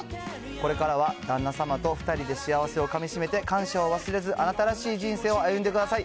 これからは、旦那様と２人で幸せをかみしめて、感謝を忘れず、あなたらしい人生を歩んでください。